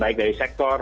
baik dari sektor